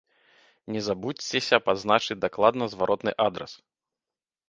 Не забудзьцеся пазначыць дакладны зваротны адрас!